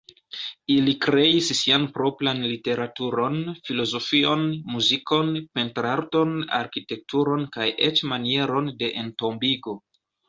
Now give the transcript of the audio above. Ili kreis sian propran literaturon, filozofion, muzikon, pentrarton, arkitekturon kaj eĉ manieron de entombigo.